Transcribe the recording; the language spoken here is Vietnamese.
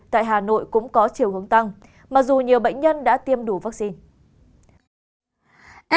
tại hà nội cũng có chiều hướng tăng mặc dù nhiều bệnh nhân đã tiêm đủ vaccine